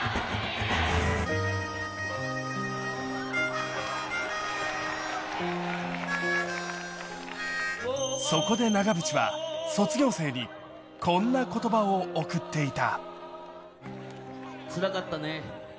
あぁそこで長渕は卒業生にこんな言葉を贈っていた。